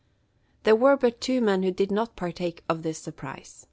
There were but two men who did not partake of this surprise.